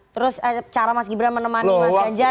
terus cara mas gibran menemani mas ganjar